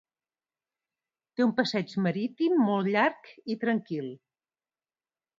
Té un passeig marítim molt llarg i tranquil.